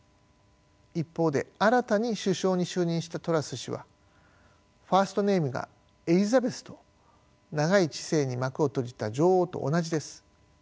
一方で新たに首相に就任したトラス氏はファースト・ネームがエリザベスと長い治世に幕を閉じた女王と同じです。